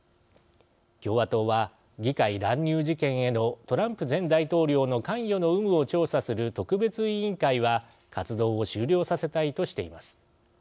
共和党は、議会乱入事件へのトランプ前大統領の関与の有無を調査する特別委員会は活動を終了させたいとしています。